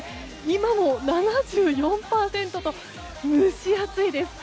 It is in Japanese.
今も７４％と蒸し暑いです。